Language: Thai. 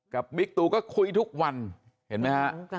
บิ๊กตูก็คุยทุกวันเห็นไหมฮะ